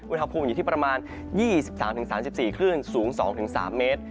อุณหภูมิอยู่ที่ประมาณ๒๓๓๔คลื่นสูง๒๓เมตร